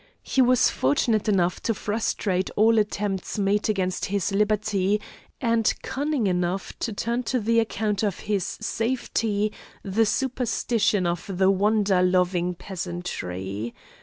He was fortunate enough to frustrate all attempts made against his liberty, and cunning enough to turn to the account of his safety the superstition of the wonder loving peasantry.